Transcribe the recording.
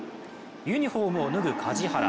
ユニフォームを脱ぐ梶原。